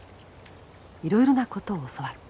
いろいろなことを教わった。